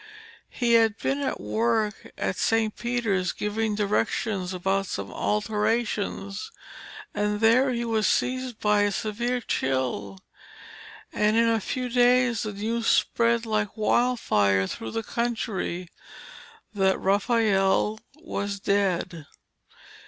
He had been at work at St. Peter's, giving directions about some alterations, and there he was seized by a severe chill, and in a few days the news spread like wildfire through the country that Raphael was dead.